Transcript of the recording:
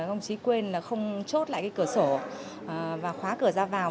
không chí quên là không chốt lại cái cửa sổ và khóa cửa ra vào